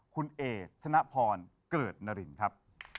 คุณเอกธนพรเกิดนรินครับ